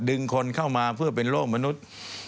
ดึงคนเข้ามาเพื่อเป็นโลกมนุษย์